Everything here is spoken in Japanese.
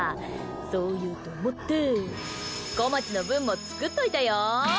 そういうと思ってこまちの分も作っといたよ。